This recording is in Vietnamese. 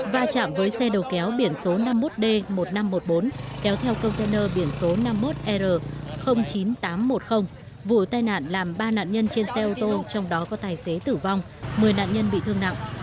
và chạm với xe đầu kéo biển số năm mươi một d một nghìn năm trăm một mươi bốn kéo theo container biển số năm mươi một r chín nghìn tám trăm một mươi vụ tai nạn làm ba nạn nhân trên xe ô tô trong đó có tài xế tử vong một mươi nạn nhân bị thương nặng